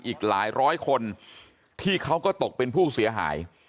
อีกหลายร้อยคนที่เขาก็ตกเป็นผู้เสียหาย